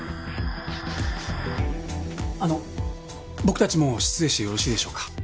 あの僕たちもう失礼してよろしいでしょうか？